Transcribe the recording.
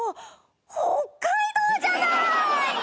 北海道じゃなーい！